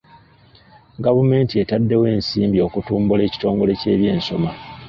Gavumenti etaddewo ensimbi okutumbula ekitongole ky'ebyensoma.